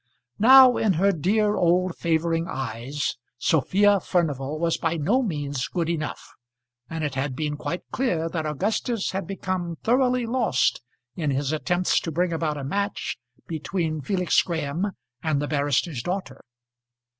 Now in her dear old favouring eyes Sophia Furnival was by no means good enough, and it had been quite clear that Augustus had become thoroughly lost in his attempts to bring about a match between Felix Graham and the barrister's daughter.